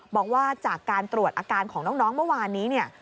บอกว่าจากการตรวจอาการของน้องเมื่อวานนี้เนี่ย